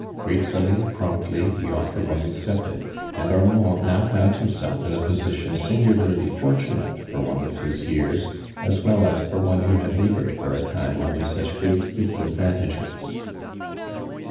<imtefully, promptly t lie offer was accepted, and Armand now foimd himself in a position singularly fortunate for one of his years, as well as for one who had labored for a lime under such great disadvantages.